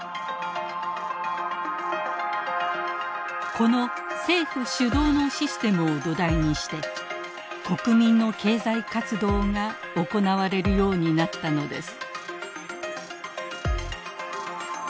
この政府主導のシステムを土台にして国民の経済活動が行われるようになったのです。